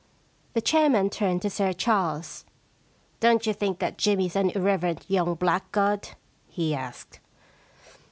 The chairman turned to Sir Charles. * Don't you think that Jimmy's an irreverent young blackguard }' he asked.